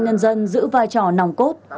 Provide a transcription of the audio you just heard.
nhân dân giữ vai trò nòng cốt